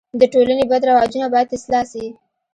د ټولني بد رواجونه باید اصلاح سي.